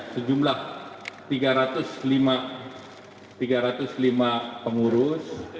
sejumlah tiga ratus lima pengurus